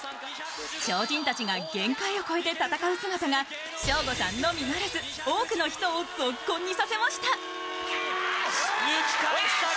超人たちが限界を超えて戦う姿がショーゴさんのみならず多くの人をゾッコンにさせました。